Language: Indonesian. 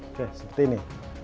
oke seperti ini